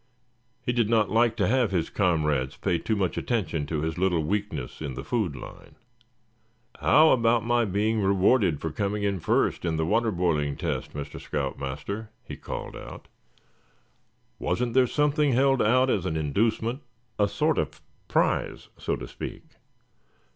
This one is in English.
He did not like to have his comrades pay too much attention to his little weakness in the food line. "How about my being rewarded for coming in first in the water boiling test, Mr. Scout Master?" he called out. "Wasn't there something held out as an inducement, a sort of prize, so to speak?